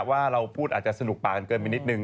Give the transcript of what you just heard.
ว่าเราพูดอาจจะสนุกปากกันเกินไปนิดนึ